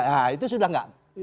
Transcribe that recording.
nah itu sudah tidak